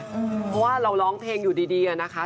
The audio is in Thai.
เพราะว่าเราร้องเพลงอยู่ดีนะคะ